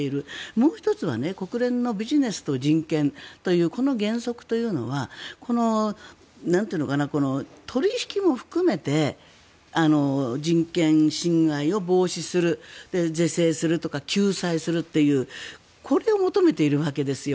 もう１つは国連のビジネスと人権というこの原則というのは取引も含めて人権侵害を防止する是正するとか救済するというこれを求めているわけですよ。